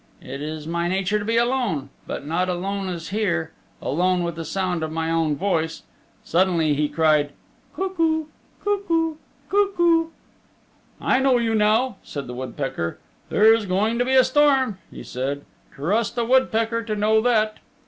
It is my nature to be alone. But not alone as here. Alone with the sound of my own voice." Suddenly he cried, "Cuckoo, cuckoo, cuckoo!" "I know you now," said the woodpecker. "There's going to be a storm," he said; "trust a woodpecker to know that."